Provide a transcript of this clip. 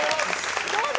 どうぞ。